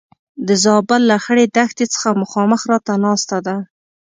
د زابل له خړې دښتې څخه مخامخ راته ناسته ده.